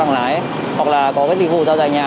hoặc là có cái dịch vụ giao dài nhà